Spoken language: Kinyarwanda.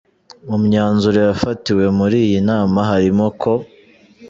Mu myanzuro yafatiwe muri iyi nama harimo ko :